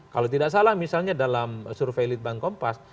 kalau tidak salah misalnya dalam survei litbang kompas